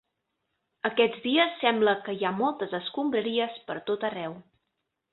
Aquests dies sembla que hi ha moltes escombraries per tot arreu